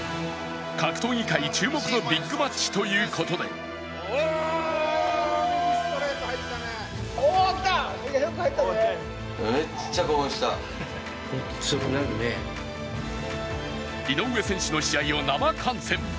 格闘技界注目のビッグマッチということで井上選手の試合を生観戦。